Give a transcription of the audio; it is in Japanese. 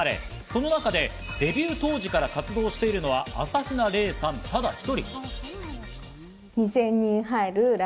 その中でデビュー当時から活動してるのは朝比奈れいさん、ただ１人。